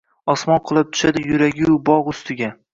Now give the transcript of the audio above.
Osmon qulab tushadi yuragu bog‘ ustiga.